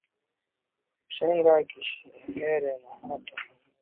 Mshenga Kiherehere na hata Muhunga au Mghongo huitwa Wagoli ila wa Chifu na Naibu